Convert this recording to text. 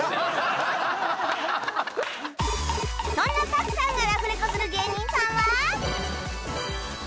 そんな朴さんがラフレコする芸人さんは